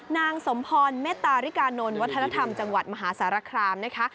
นางสมพรเมตตาริกานนท์วัฒนธรรมจังหวัดมหาสารคามนะคะ